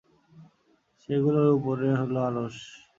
সেগুলোর উপরে হলো আরশ।